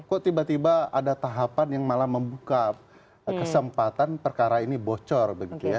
kok tiba tiba ada tahapan yang malah membuka kesempatan perkara ini bocor begitu ya